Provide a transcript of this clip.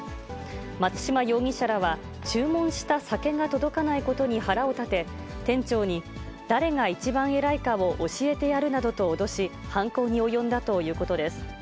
松嶋容疑者らは注文した酒が届かないことに腹を立て、店長に誰が一番偉いかを教えてやるなどと脅し、犯行に及んだということです。